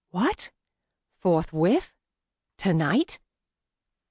What! forthwith? tonight?